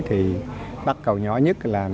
thì bắt cầu nhỏ nhất là